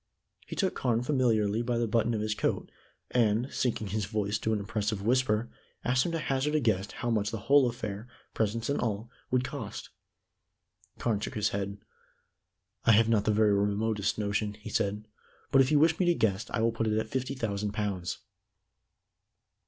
He took Carne familiarly by the button of his coat, and, sinking his voice to an impressive whisper, asked him to hazard a guess how much the whole affair, presents and all, would cost. Carne shook his head. "I have not the very remotest notion," he said. "But if you wish me to guess, I will put it at fifty thousand pounds."